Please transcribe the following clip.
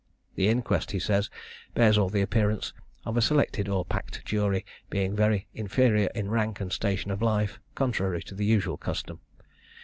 "The inquest," he says, "bears all the appearance of a selected or packed jury, being very inferior in rank and station of life, contrary to the usual custom."